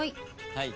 はい。